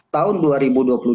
tahun dua ribu dua puluh dua